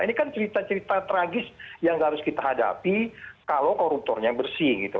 ini kan cerita cerita tragis yang harus kita hadapi kalau koruptornya bersih gitu